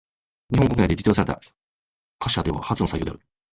日本国内で実用された貨車では初の採用である。